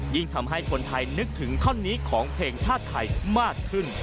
ทำให้คนไทยนึกถึงท่อนนี้ของเพลงชาติไทยมากขึ้น